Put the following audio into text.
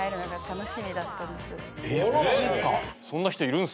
えっホントですか？